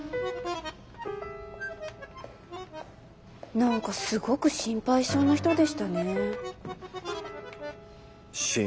なんかすごく心配性な人でしたねー。